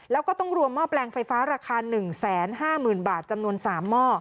แล้วก็ต้องรวมหม้อแปลงไฟฟ้าราคา๑๕๐๐๐บาทจำนวน๓หม้อ